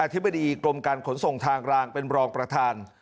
ธิบดีกรมการขนส่งทางรางเป็นรองประธาน